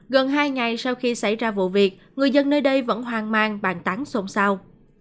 gần hai ngày sau khi xảy ra vụ việc người dân nơi đây vẫn hoang mang bàn tán xôn xao